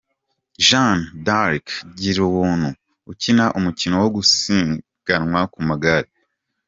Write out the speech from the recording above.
Jeanne d’Arc Girubuntu, ukina umukino wo gusiganwa ku magare.